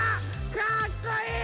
かっこいい！